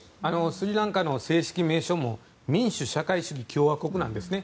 スリランカの正式名称も民主社会主義共和国なんですね。